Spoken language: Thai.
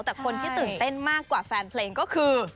แต่คนที่ตื่นเต้นมากกว่าแฟนเพลงก็คือ